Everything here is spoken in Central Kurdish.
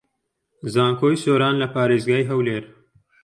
زانکۆی سۆران لە پارێزگای هەولێر